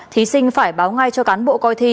thí sinh phải báo ngay cho cán bộ coi thi